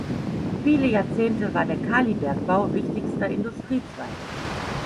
Viele Jahrzehnte war der Kalibergbau wichtigster Industriezweig.